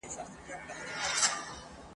که سترګي ور و اووښتې، بيا څنګه وکړو .